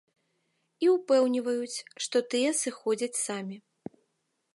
І ўпэўніваюць, што тыя сыходзяць самі.